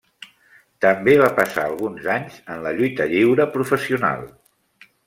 També va passar alguns anys en la lluita lliure professional.